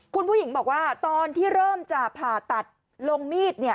คุณผู้หญิงบอกว่าตอนที่เริ่มจะผ่าตัดลงมีดเนี่ย